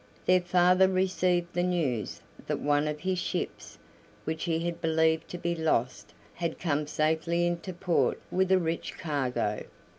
Their father received the news that one of his ships, which he had believed to be lost, had come safely into port with a rich cargo.